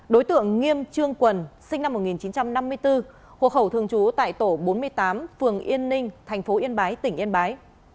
đối tượng nghiêm trương quần sinh năm một nghìn chín trăm năm mươi bốn hộ khẩu thường trú tại tổ bốn mươi tám phường yên ninh tp yên bái tỉnh yên bái